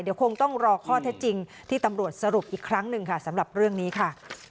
เดี๋ยวคงต้องรอข้อเท็จจริงที่ตำรวจสรุปอีกครั้งหนึ่งค่ะสำหรับเรื่องนี้ค่ะ